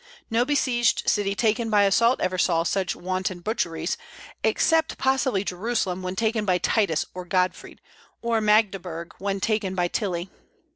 No besieged city taken by assault ever saw such wanton butcheries, except possibly Jerusalem when taken by Titus or Godfrey, or Magdeburg when taken by Tilly.